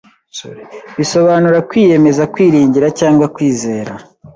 bisobanura kwiyemeza kwiringira cyangwa kwizera